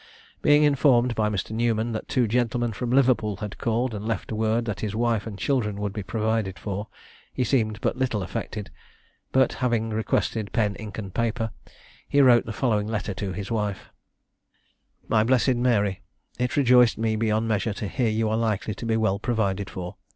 Being informed, by Mr. Newman, that two gentlemen from Liverpool had called, and left word that his wife and children would be provided for, he seemed but little affected; but, having requested pen, ink, and paper, he wrote the following letter to his wife: "MY BLESSED MARY, It rejoiced me beyond measure to hear you are likely to be well provided for.